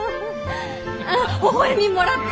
あっほほ笑みもらった。